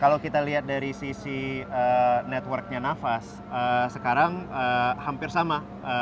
kalau kita lihat dari sisi networknya nafas sekarang hampir sama